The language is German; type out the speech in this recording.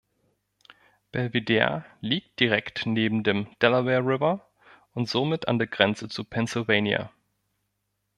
Belvidere liegt direkt neben dem Delaware River und somit an der Grenze zu Pennsylvania.